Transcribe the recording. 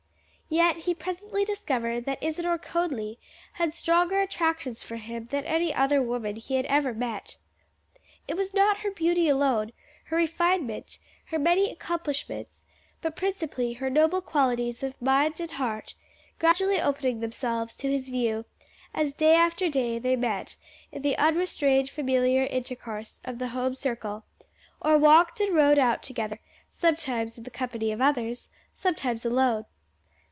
Yet he presently discovered that Isadore Conly had stronger attractions for him than any other woman he had ever met. It was not her beauty alone, her refinement, her many accomplishments, but principally her noble qualities of mind and heart, gradually opening themselves to his view as day after day they met in the unrestrained familiar intercourse of the home circle, or walked or rode out together, sometimes in the company of others, sometimes alone.